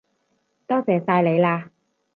多謝晒你喇